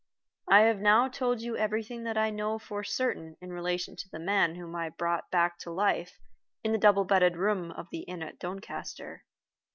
I have now told you everything that I know for certain in relation to the man whom I brought back to life in the double bedded room of the inn at Doncaster.